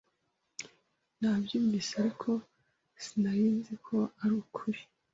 Nabyumvise, ariko sinari nzi ko arukuri.